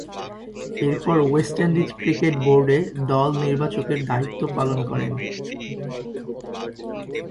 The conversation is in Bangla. এরপর ওয়েস্ট ইন্ডিজ ক্রিকেট বোর্ডে দল নির্বাচকের দায়িত্ব পালন করেন।